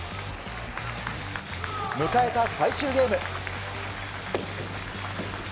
迎えた最終ゲーム。